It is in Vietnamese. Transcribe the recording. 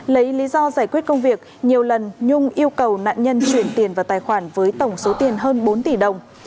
lấy lý do giải quyết công việc nhiều lần nhung yêu cầu nạn nhân chuyển tiền vào tài khoản với tổng số tiền hơn bốn tỷ đồng